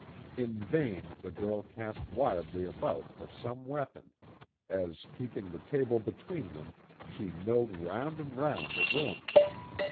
In vain the girl cast wildly about for some weapon, as, keeping the table between them, she milled round and round the room.